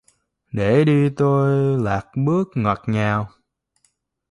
Để tôi lạc bước ngọt ngào